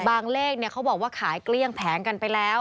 เลขเขาบอกว่าขายเกลี้ยงแผงกันไปแล้ว